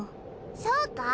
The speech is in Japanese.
そうか？